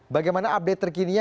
bagaimana update terkininya